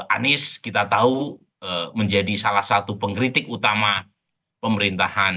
anies kita tahu menjadi salah satu pengkritik utama pemerintahan